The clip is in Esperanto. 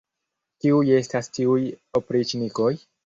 Kiuj estas tiuj opriĉnikoj!